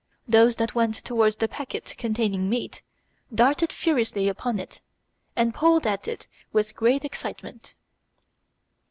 Those that went towards the packet containing meat darted furiously upon it and pulled at it with great excitement.